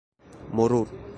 مرور